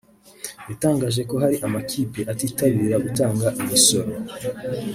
yatangaje ko hari amakipe atitabira gutanga imisoro